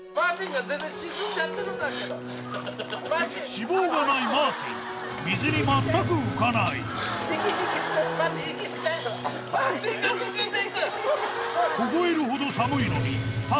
脂肪がないマーティン水に全く浮かないマーティン息吸って！